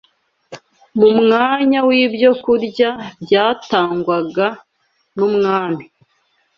mu mwanya w’ibyokurya byatangwaga n’umwami